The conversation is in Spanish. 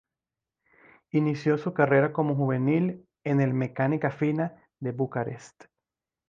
Inició su carrera como juvenil en el Mecánica Fina de Bucarest.